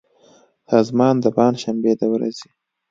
سازمان د پنجشنبې د ورځې